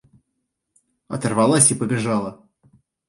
Оторвалась и побежала!